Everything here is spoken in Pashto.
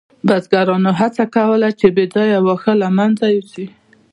بزګرانو هڅه کوله چې بې ځایه واښه له منځه یوسي.